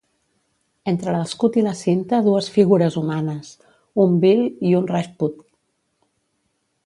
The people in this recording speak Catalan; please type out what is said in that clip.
Entre l'escut i la cinta dues figures humanes, un bhil i un rajput.